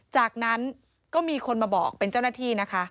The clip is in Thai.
จากนั้นก็มีคนมาบอกเป็นเจ้าหน้าที่นะคะ